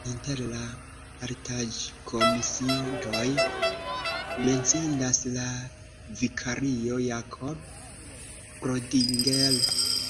Inter la artaĵkomisiintoj menciindas la vikario Jakob Prodinger.